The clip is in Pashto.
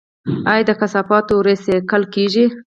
آیا د کثافاتو ریسایکل کیږي؟